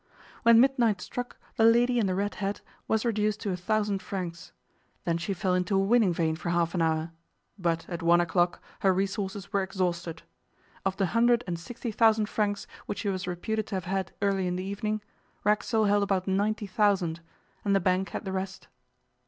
When midnight struck the lady in the red hat was reduced to a thousand francs. Then she fell into a winning vein for half an hour, but at one o'clock her resources were exhausted. Of the hundred and sixty thousand francs which she was reputed to have had early in the evening, Racksole held about ninety thousand, and the bank had the rest.